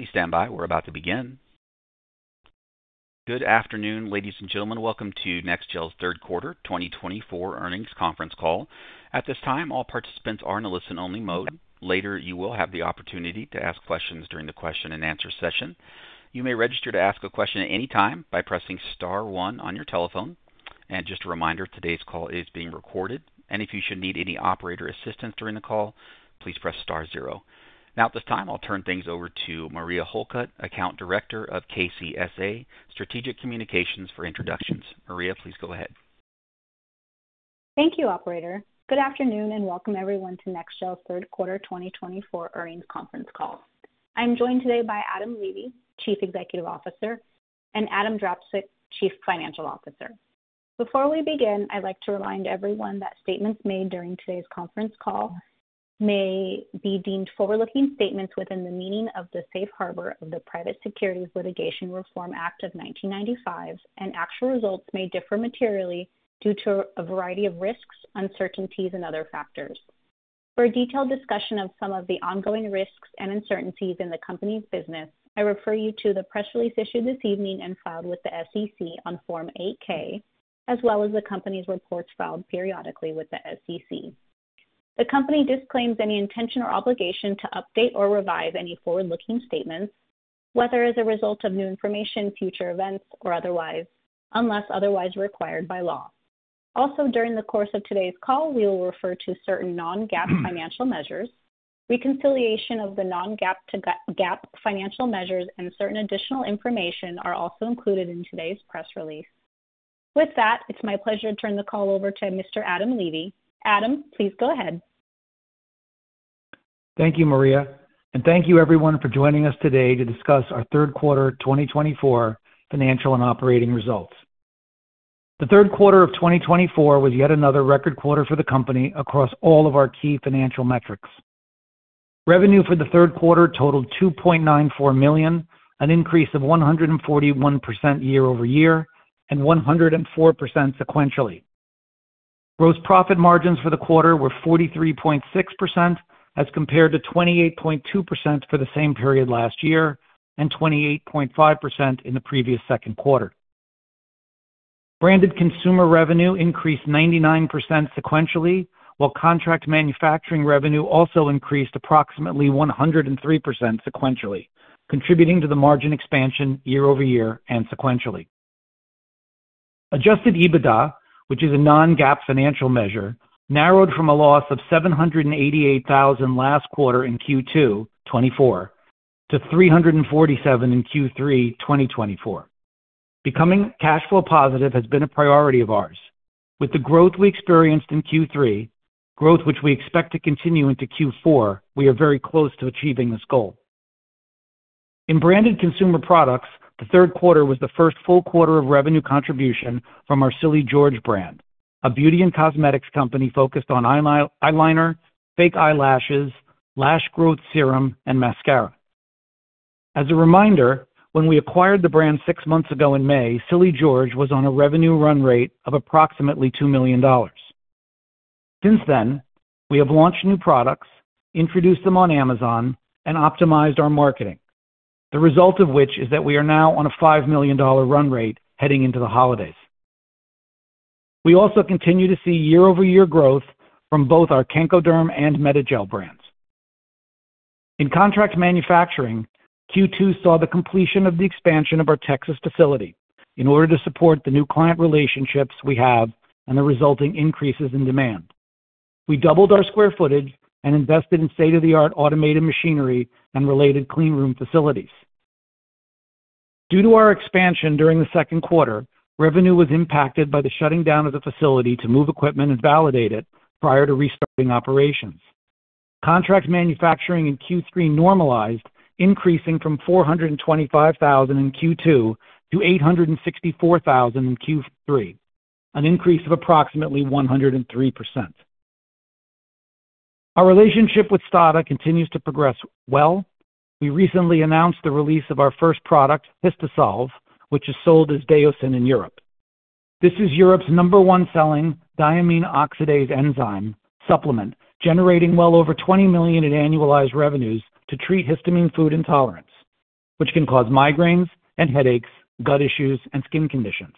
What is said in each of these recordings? Please stand by, we're about to begin. Good afternoon, ladies and gentlemen. Welcome to NEXGEL's third quarter 2024 earnings conference call. At this time, all participants are in a listen-only mode. Later, you will have the opportunity to ask questions during the question-and-answer session. You may register to ask a question at any time by pressing star one on your telephone. And just a reminder, today's call is being recorded, and if you should need any operator assistance during the call, please press star zero. Now, at this time, I'll turn things over to Maria Holcutt, Account Director of KCSA Strategic Communications for introductions. Maria, please go ahead. Thank you, Operator. Good afternoon and welcome everyone to NEXGEL's third quarter 2024 earnings conference call. I'm joined today by Adam Levy, Chief Executive Officer, and Adam Drapczuk, Chief Financial Officer. Before we begin, I'd like to remind everyone that statements made during today's conference call may be deemed forward-looking statements within the meaning of the Safe Harbor of the Private Securities Litigation Reform Act of 1995, and actual results may differ materially due to a variety of risks, uncertainties, and other factors. For a detailed discussion of some of the ongoing risks and uncertainties in the company's business, I refer you to the press release issued this evening and filed with the SEC on Form 8-K, as well as the company's reports filed periodically with the SEC. The company disclaims any intention or obligation to update or revise any forward-looking statements, whether as a result of new information, future events, or otherwise, unless otherwise required by law. Also, during the course of today's call, we will refer to certain Non-GAAP financial measures. Reconciliation of the Non-GAAP financial measures and certain additional information are also included in today's press release. With that, it's my pleasure to turn the call over to Mr. Adam Levy. Adam, please go ahead. Thank you, Maria, and thank you, everyone, for joining us today to discuss our third quarter 2024 financial and operating results. The third quarter of 2024 was yet another record quarter for the company across all of our key financial metrics. Revenue for the third quarter totaled $2.94 million, an increase of 141% year over year and 104% sequentially. Gross profit margins for the quarter were 43.6% as compared to 28.2% for the same period last year and 28.5% in the previous second quarter. Branded consumer revenue increased 99% sequentially, while contract manufacturing revenue also increased approximately 103% sequentially, contributing to the margin expansion year over year and sequentially. Adjusted EBITDA, which is a non-GAAP financial measure, narrowed from a loss of $788,000 last quarter in Q2 2024 to $347,000 in Q3 2024. Becoming cash flow positive has been a priority of ours. With the growth we experienced in Q3, growth which we expect to continue into Q4, we are very close to achieving this goal. In branded consumer products, the third quarter was the first full quarter of revenue contribution from our Silly George brand, a beauty and cosmetics company focused on eyeliner, fake eyelashes, lash growth serum, and mascara. As a reminder, when we acquired the brand six months ago in May, Silly George was on a revenue run rate of approximately $2 million. Since then, we have launched new products, introduced them on Amazon, and optimized our marketing, the result of which is that we are now on a $5 million run rate heading into the holidays. We also continue to see year-over-year growth from both our KencoDerm and MedaGel brands. In contract manufacturing, Q2 saw the completion of the expansion of our Texas facility in order to support the new client relationships we have and the resulting increases in demand. We doubled our square footage and invested in state-of-the-art automated machinery and related cleanroom facilities. Due to our expansion during the second quarter, revenue was impacted by the shutting down of the facility to move equipment and validate it prior to restarting operations. Contract manufacturing in Q3 normalized, increasing from $425,000 in Q2 to $864,000 in Q3, an increase of approximately 103%. Our relationship with STADA continues to progress well. We recently announced the release of our first product, Histosolv, which is sold as Daosin in Europe. This is Europe's number-one selling diamine oxidase enzyme supplement, generating well over $20 million in annualized revenues to treat histamine food intolerance, which can cause migraines and headaches, gut issues, and skin conditions.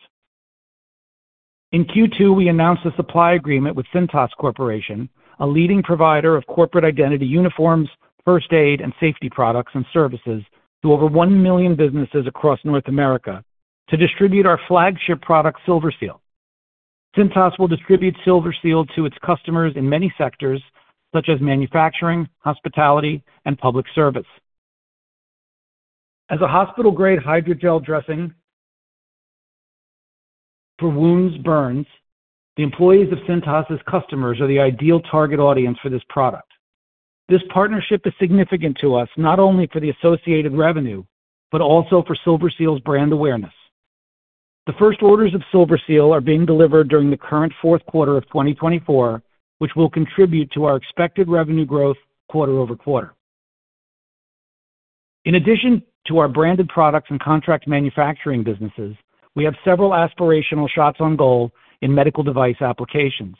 In Q2, we announced a supply agreement with Cintas Corporation, a leading provider of corporate identity uniforms, first aid, and safety products and services to over 1 million businesses across North America, to distribute our flagship product, SilverSeal. Cintas will distribute SilverSeal to its customers in many sectors such as manufacturing, hospitality, and public service. As a hospital-grade hydrogel dressing for wounds, burns, the employees of Cintas' customers are the ideal target audience for this product. This partnership is significant to us not only for the associated revenue but also for SilverSeal's brand awareness. The first orders of SilverSeal are being delivered during the current fourth quarter of 2024, which will contribute to our expected revenue growth quarter over quarter. In addition to our branded products and contract manufacturing businesses, we have several aspirational shots on goal in medical device applications.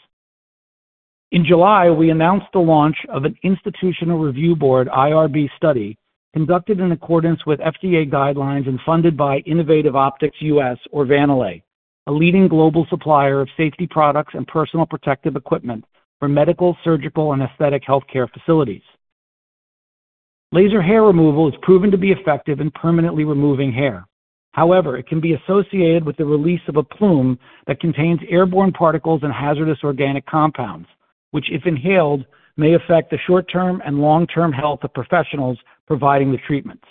In July, we announced the launch of an Institutional Review Board (IRB) study conducted in accordance with FDA guidelines and funded by Innovative Optics U.S., or Vannella, a leading global supplier of safety products and personal protective equipment for medical, surgical, and aesthetic healthcare facilities. Laser hair removal is proven to be effective in permanently removing hair. However, it can be associated with the release of a plume that contains airborne particles and hazardous organic compounds, which, if inhaled, may affect the short-term and long-term health of professionals providing the treatments.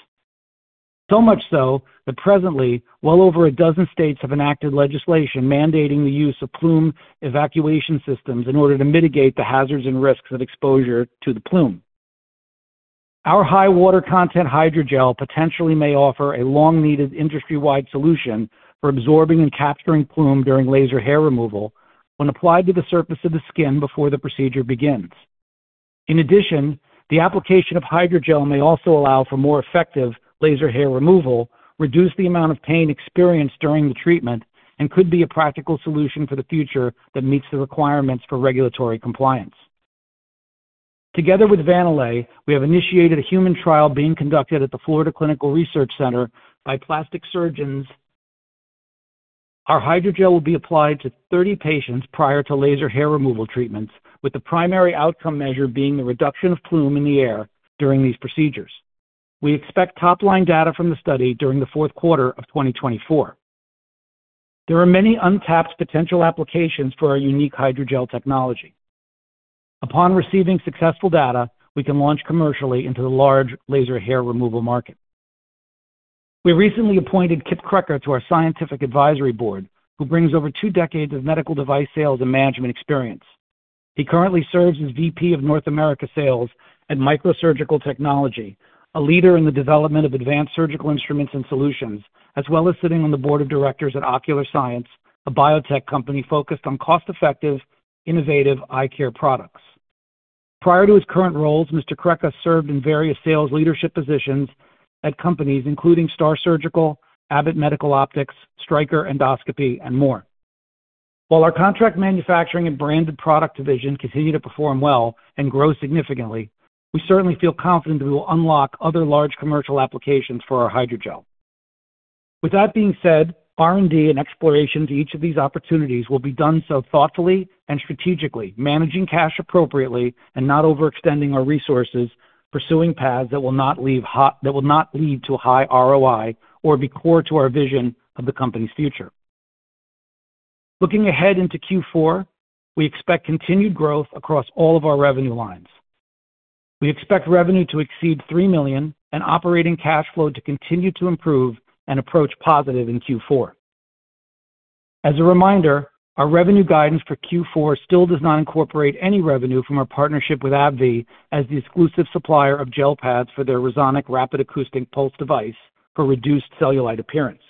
So much so that presently, well over a dozen states have enacted legislation mandating the use of plume evacuation systems in order to mitigate the hazards and risks of exposure to the plume. Our high-water content hydrogel potentially may offer a long-needed industry-wide solution for absorbing and capturing plume during laser hair removal when applied to the surface of the skin before the procedure begins. In addition, the application of hydrogel may also allow for more effective laser hair removal, reduce the amount of pain experienced during the treatment, and could be a practical solution for the future that meets the requirements for regulatory compliance. Together with Vannella we have initiated a human trial being conducted at the Florida Clinical Research Center by plastic surgeons. Our hydrogel will be applied to 30 patients prior to laser hair removal treatments, with the primary outcome measure being the reduction of plume in the air during these procedures. We expect top-line data from the study during the fourth quarter of 2024. There are many untapped potential applications for our unique hydrogel technology. Upon receiving successful data, we can launch commercially into the large laser hair removal market. We recently appointed Kip Krecker to our scientific advisory board, who brings over two decades of medical device sales and management experience. He currently serves as VP of North America Sales at Microsurgical Technology, a leader in the development of advanced surgical instruments and solutions, as well as sitting on the board of directors at Ocular Science, a biotech company focused on cost-effective, innovative eye care products. Prior to his current roles, Mr. Krecker served in various sales leadership positions at companies including STAAR Surgical, Abbott Medical Optics, Stryker Endoscopy, and more. While our contract manufacturing and branded product division continue to perform well and grow significantly, we certainly feel confident that we will unlock other large commercial applications for our hydrogel. With that being said, R&D and exploration to each of these opportunities will be done so thoughtfully and strategically, managing cash appropriately and not overextending our resources, pursuing paths that will not lead to high ROI or be core to our vision of the company's future. Looking ahead into Q4, we expect continued growth across all of our revenue lines. We expect revenue to exceed $3 million and operating cash flow to continue to improve and approach positive in Q4. As a reminder, our revenue guidance for Q4 still does not incorporate any revenue from our partnership with AbbVie as the exclusive supplier of gel pads for their Resonic Rapid Acoustic Pulse device for reduced cellulite appearance.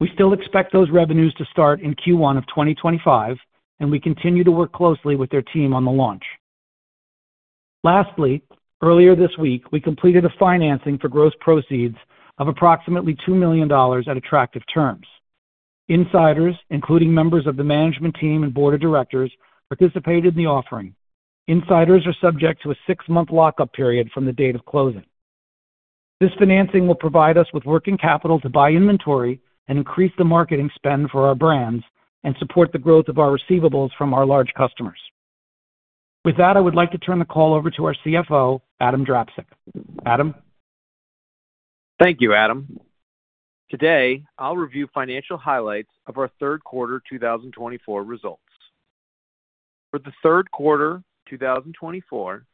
We still expect those revenues to start in Q1 of 2025, and we continue to work closely with their team on the launch. Lastly, earlier this week, we completed a financing for gross proceeds of approximately $2 million at attractive terms. Insiders, including members of the management team and board of directors, participated in the offering. Insiders are subject to a six-month lockup period from the date of closing. This financing will provide us with working capital to buy inventory and increase the marketing spend for our brands and support the growth of our receivables from our large customers. With that, I would like to turn the call over to our CFO, Adam Drapczuk. Adam. Thank you, Adam. Today, I'll review financial highlights of our third quarter 2024 results. For the third quarter 2024,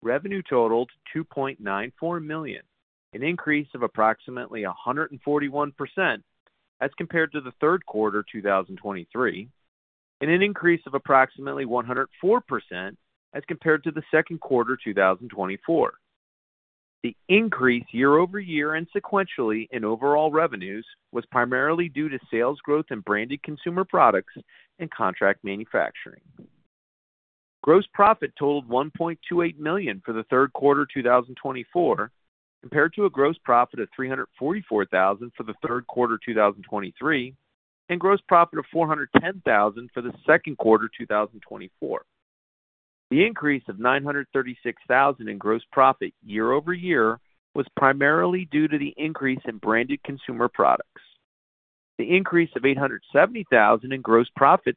revenue totaled $2.94 million, an increase of approximately 141% as compared to the third quarter 2023, and an increase of approximately 104% as compared to the second quarter 2024. The increase year-over-year and sequentially in overall revenues was primarily due to sales growth in branded consumer products and contract manufacturing. Gross profit totaled $1.28 million for the third quarter 2024, compared to a gross profit of $344,000 for the third quarter 2023 and gross profit of $410,000 for the second quarter 2024. The increase of $936,000 in gross profit year-over-year was primarily due to the increase in branded consumer products. The increase of $870,000 in gross profit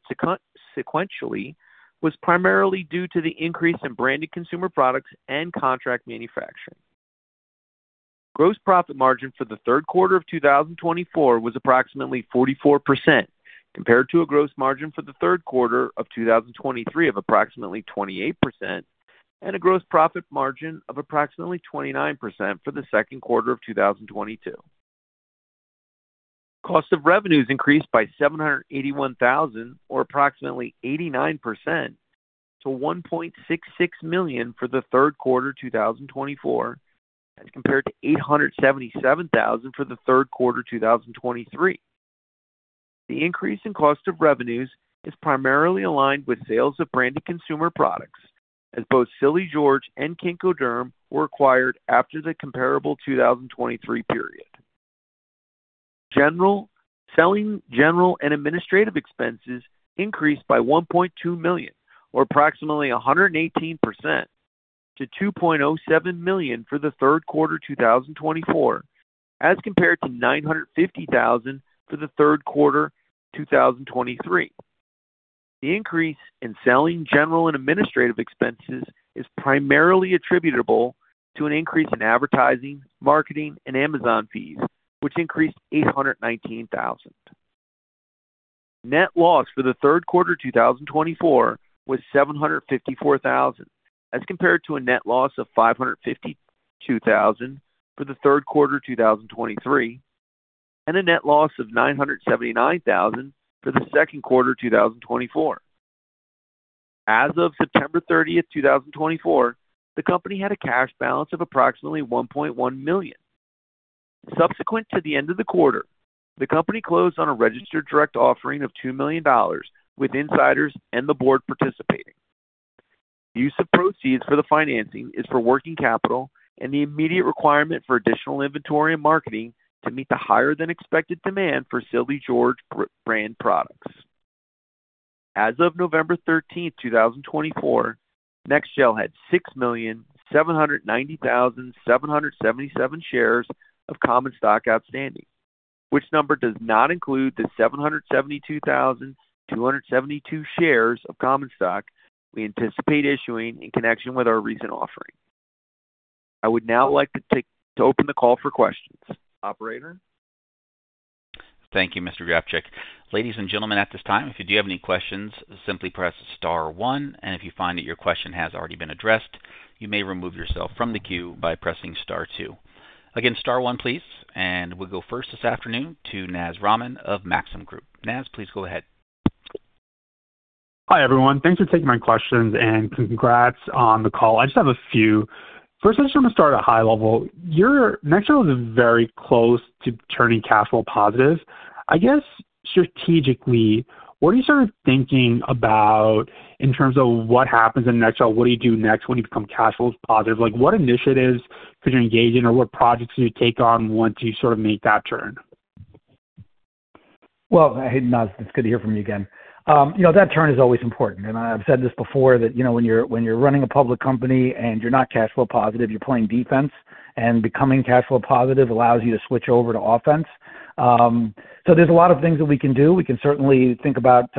sequentially was primarily due to the increase in branded consumer products and contract manufacturing. Gross profit margin for the third quarter of 2024 was approximately 44%, compared to a gross margin for the third quarter of 2023 of approximately 28% and a gross profit margin of approximately 29% for the second quarter of 2022. Cost of revenues increased by $781,000, or approximately 89%, to $1.66 million for the third quarter 2024 as compared to $877,000 for the third quarter 2023. The increase in cost of revenues is primarily aligned with sales of branded consumer products, as both Silly George and KencoDerm were acquired after the comparable 2023 period. Selling, general, and administrative expenses increased by $1.2 million, or approximately 118%, to $2.07 million for the third quarter 2024 as compared to $950,000 for the third quarter 2023. The increase in selling, general, and administrative expenses is primarily attributable to an increase in advertising, marketing, and Amazon fees, which increased $819,000. Net loss for the third quarter 2024 was $754,000 as compared to a net loss of $552,000 for the third quarter 2023 and a net loss of $979,000 for the second quarter 2024. As of September 30, 2024, the company had a cash balance of approximately $1.1 million. Subsequent to the end of the quarter, the company closed on a registered direct offering of $2 million with insiders and the board participating. Use of proceeds for the financing is for working capital and the immediate requirement for additional inventory and marketing to meet the higher-than-expected demand for Silly George brand products. As of November 13, 2024, NEXGEL had 6,790,777 shares of Common Stock outstanding, which number does not include the 772,272 shares of Common Stock we anticipate issuing in connection with our recent offering. I would now like to open the call for questions. Operator. Thank you, Mr. Drapczuk. Ladies and gentlemen, at this time, if you do have any questions, simply press Star 1, and if you find that your question has already been addressed, you may remove yourself from the queue by pressing Star 2. Again, Star 1, please, and we'll go first this afternoon to Naz Rahman of Maxim Group. Naz, please go ahead. Hi everyone. Thanks for taking my questions and congrats on the call. I just have a few. First, I just want to start at a high level. NEXGEL is very close to turning cash flow positive. I guess strategically, what are you sort of thinking about in terms of what happens in NEXGEL? What do you do next when you become cash flow positive? What initiatives could you engage in, or what projects could you take on once you sort of make that turn? Well, hey Naz, it's good to hear from you again. That turn is always important, and I've said this before, that when you're running a public company and you're not cash flow positive, you're playing defense, and becoming cash flow positive allows you to switch over to offense, so there's a lot of things that we can do. We can certainly think about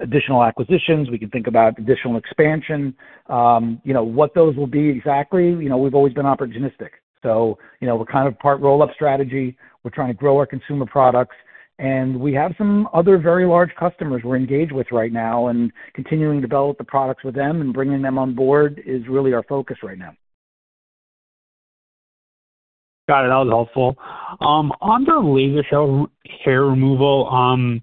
additional acquisitions. We can think about additional expansion. What those will be exactly, we've always been opportunistic, so we're kind of part roll-up strategy. We're trying to grow our consumer products, and we have some other very large customers we're engaged with right now, and continuing to develop the products with them and bringing them on board is really our focus right now. Got it. That was helpful. Under laser hair removal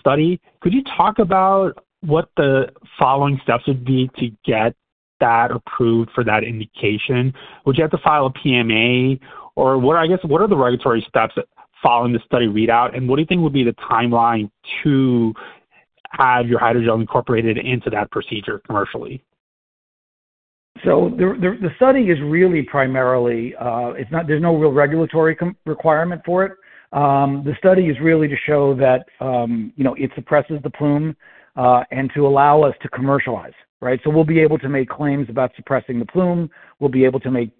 study, could you talk about what the following steps would be to get that approved for that indication? Would you have to file a PMA, or I guess, what are the regulatory steps following the study readout, and what do you think would be the timeline to have your hydrogel incorporated into that procedure commercially? So the study is really primarily. There's no real regulatory requirement for it. The study is really to show that it suppresses the plume and to allow us to commercialize. So we'll be able to make claims about suppressing the plume. We'll be able to make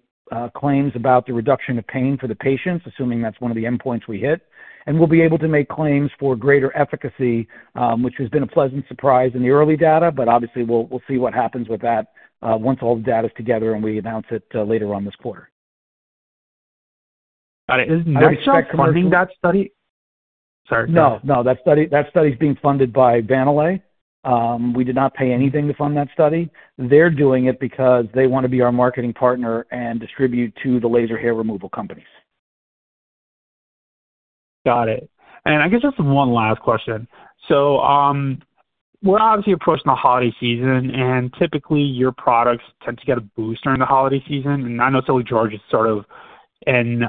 claims about the reduction of pain for the patients, assuming that's one of the endpoints we hit. And we'll be able to make claims for greater efficacy, which has been a pleasant surprise in the early data, but obviously, we'll see what happens with that once all the data is together and we announce it later on this quarter. Got it. Is NEXGEL funding that study? Sorry. No, no. That study is being funded by Vannella. We did not pay anything to fund that study. They're doing it because they want to be our marketing partner and distribute to the laser hair removal companies. Got it. And I guess just one last question. So we're obviously approaching the holiday season, and typically, your products tend to get a boost during the holiday season. And I know Silly George is sort of in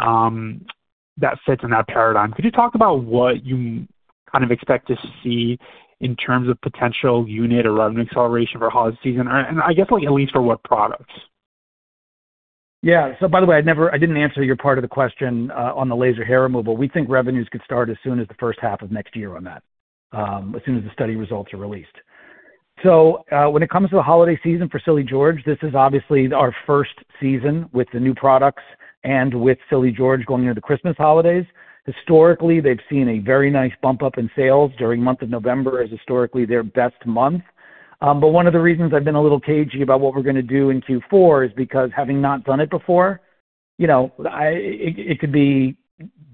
that fits in that paradigm. Could you talk about what you kind of expect to see in terms of potential unit or revenue acceleration for holiday season, and I guess at least for what products? Yeah, so by the way, I didn't answer your part of the question on the laser hair removal. We think revenues could start as soon as the first half of next year on that, as soon as the study results are released, so when it comes to the holiday season for Silly George, this is obviously our first season with the new products and with Silly George going into the Christmas holidays. Historically, they've seen a very nice bump up in sales during the month of November as historically their best month. But one of the reasons I've been a little cagey about what we're going to do in Q4 is because having not done it before, it could be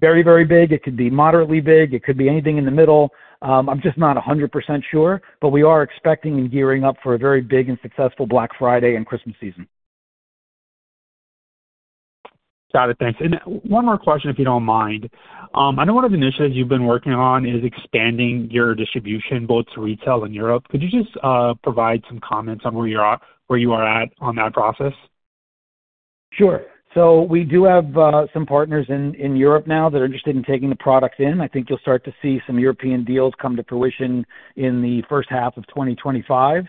very, very big. It could be moderately big. It could be anything in the middle. I'm just not 100% sure, but we are expecting and gearing up for a very big and successful Black Friday and Christmas season. Got it. Thanks. And one more question, if you don't mind. I know one of the initiatives you've been working on is expanding your distribution both to retail and Europe. Could you just provide some comments on where you are at on that process? Sure. So we do have some partners in Europe now that are interested in taking the products in. I think you'll start to see some European deals come to fruition in the first half of 2025,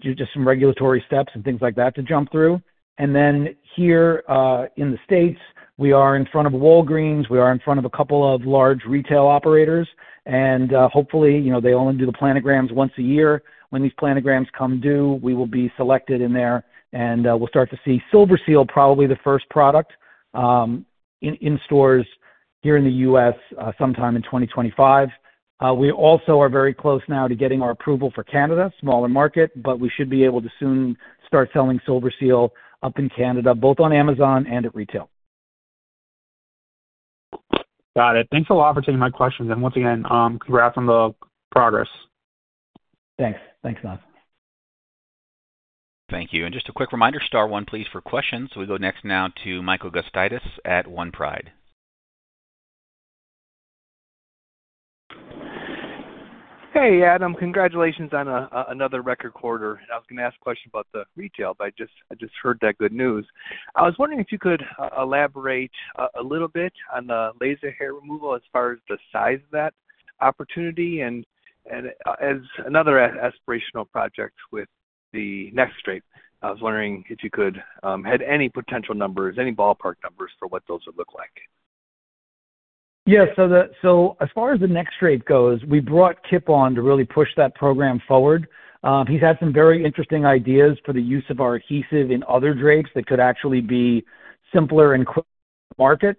just some regulatory steps and things like that to jump through. And then here in the States, we are in front of Walgreens. We are in front of a couple of large retail operators, and hopefully, they only do the planograms once a year. When these planograms come due, we will be selected in there, and we'll start to see SilverSeal probably the first product in stores here in the U.S. sometime in 2025. We also are very close now to getting our approval for Canada, smaller market, but we should be able to soon start selling SilverSeal up in Canada, both on Amazon and at retail. Got it. Thanks a lot for taking my questions, and once again, congrats on the progress. Thanks. Thanks, Naz. Thank you. And just a quick reminder, Star 1, please, for questions. We go next now to Michael Gustitus at OnePride. Hey, Adam. Congratulations on another record quarter. I was going to ask a question about the retail, but I just heard that good news. I was wondering if you could elaborate a little bit on the laser hair removal as far as the size of that opportunity and as another aspirational project with the NextDrape. I was wondering if you could have any potential numbers, any ballpark numbers for what those would look like. Yeah. So as far as the NextDrape goes, we brought Kip on to really push that program forward. He's had some very interesting ideas for the use of our adhesive in other drapes that could actually be simpler and quicker to market.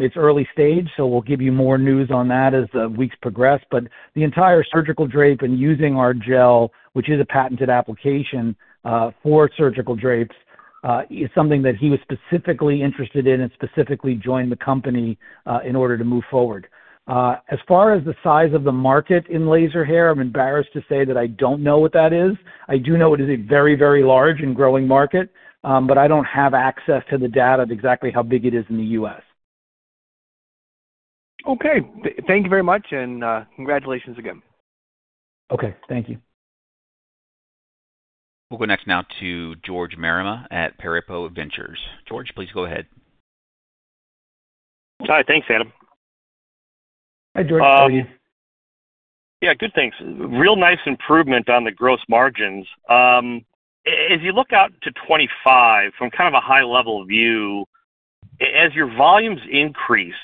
It's early stage, so we'll give you more news on that as the weeks progress. But the entire surgical drape and using our gel, which is a patented application for surgical drapes, is something that he was specifically interested in and specifically joined the company in order to move forward. As far as the size of the market in laser hair, I'm embarrassed to say that I don't know what that is. I do know it is a very, very large and growing market, but I don't have access to the data of exactly how big it is in the U.S. Okay. Thank you very much, and congratulations again. Okay. Thank you. We'll go next now to George Marema at Pareto Ventures. George, please go ahead. Hi. Thanks, Adam. Hi, George. How are you? Yeah. Good, thanks. Real nice improvement on the gross margins. As you look out to 2025, from kind of a high-level view, as your volumes increase,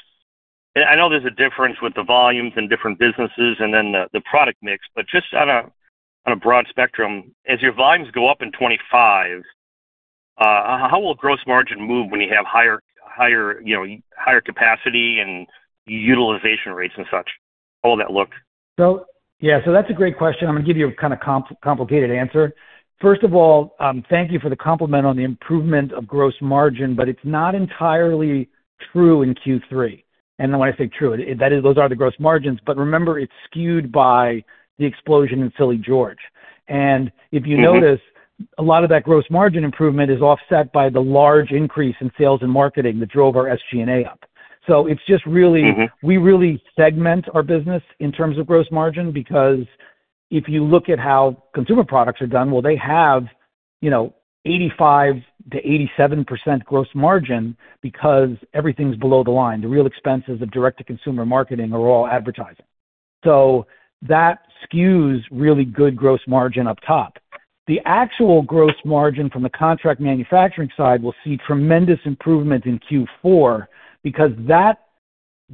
I know there's a difference with the volumes and different businesses and then the product mix, but just on a broad spectrum, as your volumes go up in 2025, how will gross margin move when you have higher capacity and utilization rates and such? How will that look? Yeah, that's a great question. I'm going to give you a kind of complicated answer. First of all, thank you for the compliment on the improvement of gross margin, but it's not entirely true in Q3. When I say true, those are the gross margins, but remember, it's skewed by the explosion in Silly George. If you notice, a lot of that gross margin improvement is offset by the large increase in sales and marketing that drove our SG&A up. It's just really, we really segment our business in terms of gross margin because if you look at how consumer products are done, they have 85%-87% gross margin because everything's below the line. The real expenses of direct-to-consumer marketing are all advertising. That skews really good gross margin up top. The actual gross margin from the contract manufacturing side will see tremendous improvement in Q4 because that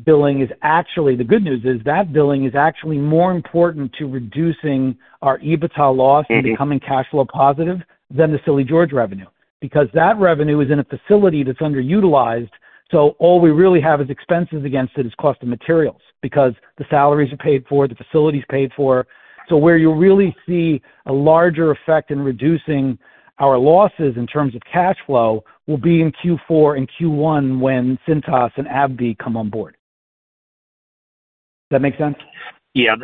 billing is actually the good news is that billing is actually more important to reducing our EBITDA loss and becoming cash flow positive than the Silly George revenue because that revenue is in a facility that's underutilized. So all we really have as expenses against it is cost of materials because the salaries are paid for, the facility's paid for. So where you'll really see a larger effect in reducing our losses in terms of cash flow will be in Q4 and Q1 when Cintas and AbbVie come on board. Does that make sense? Yeah.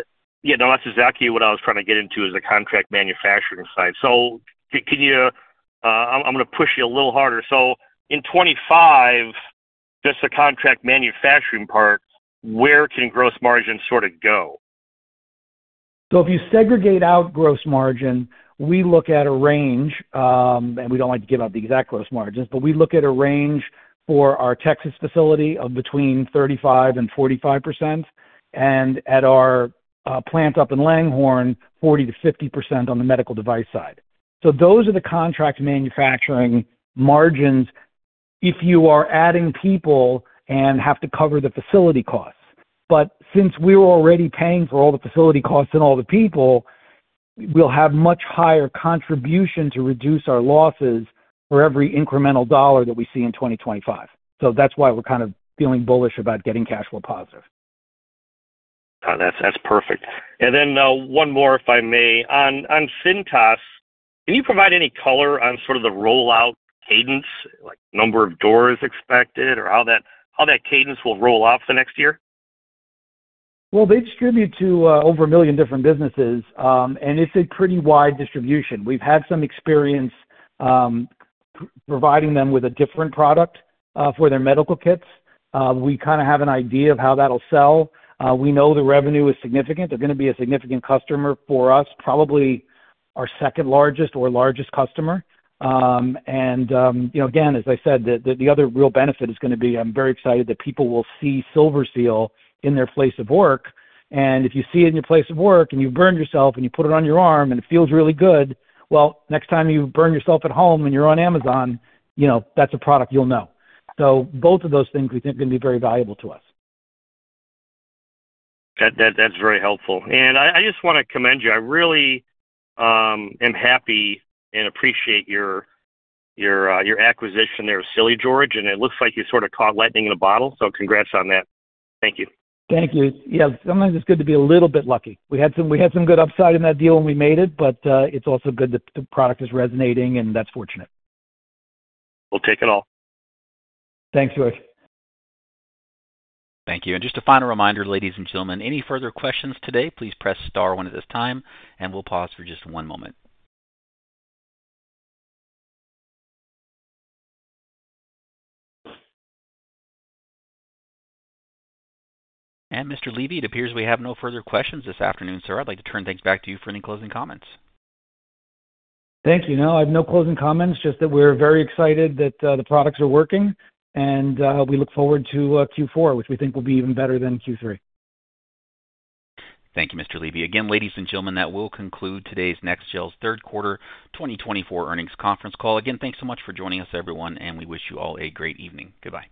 Yeah. No, that's exactly what I was trying to get into is the contract manufacturing side. So I'm going to push you a little harder. So in 2025, just the contract manufacturing part, where can gross margin sort of go? So if you segregate out gross margin, we look at a range, and we don't like to give out the exact gross margins, but we look at a range for our Texas facility of between 35% and 45%, and at our plant up in Langhorne, 40%-50% on the medical device side. So those are the contract manufacturing margins if you are adding people and have to cover the facility costs. But since we're already paying for all the facility costs and all the people, we'll have much higher contribution to reduce our losses for every incremental dollar that we see in 2025. So that's why we're kind of feeling bullish about getting cash flow positive. That's perfect. And then one more, if I may. On Cintas, can you provide any color on sort of the rollout cadence, like number of doors expected or how that cadence will roll off for next year? Well, they distribute to over a million different businesses, and it's a pretty wide distribution. We've had some experience providing them with a different product for their medical kits. We kind of have an idea of how that'll sell. We know the revenue is significant. They're going to be a significant customer for us, probably our second largest or largest customer. And again, as I said, the other real benefit is going to be I'm very excited that people will see SilverSeal in their place of work. And if you see it in your place of work and you burn yourself and you put it on your arm and it feels really good, well, next time you burn yourself at home and you're on Amazon, that's a product you'll know. So both of those things we think are going to be very valuable to us. That's very helpful. And I just want to commend you. I really am happy and appreciate your acquisition there of Silly George, and it looks like you sort of caught lightning in a bottle. So congrats on that. Thank you. Thank you. Yeah. Sometimes it's good to be a little bit lucky. We had some good upside in that deal and we made it, but it's also good that the product is resonating, and that's fortunate. We'll take it all. Thanks, George. Thank you. And just a final reminder, ladies and gentlemen, any further questions today, please press Star 1 at this time, and we'll pause for just one moment. And Mr. Levy, it appears we have no further questions this afternoon, sir. I'd like to turn things back to you for any closing comments. Thank you. No, I have no closing comments, just that we're very excited that the products are working, and we look forward to Q4, which we think will be even better than Q3. Thank you, Mr. Levy. Again, ladies and gentlemen, that will conclude today's NEXGEL's third quarter 2024 earnings conference call. Again, thanks so much for joining us, everyone, and we wish you all a great evening. Goodbye.